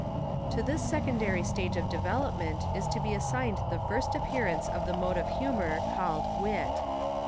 To this secondary stage of development Is to be assigned the first appearance of the mode of humour called wit.